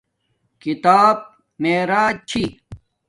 کتاب معراج چھی